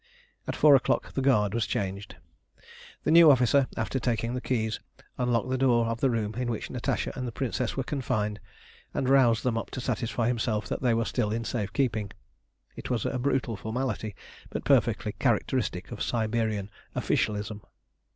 At four o'clock the guard was changed. The new officer, after taking the keys, unlocked the door of the room in which Natasha and the Princess were confined, and roused them up to satisfy himself that they were still in safe keeping. It was a brutal formality, but perfectly characteristic of Siberian officialism.